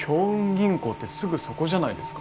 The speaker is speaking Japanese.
銀行ってすぐそこじゃないですか。